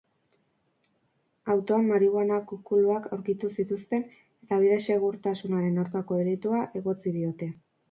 Autoan marihuana kukuluak aurkitu zituzten eta bide-segurtasunaren aurkako delitua egotzi diote.